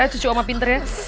cucu oma pintar ya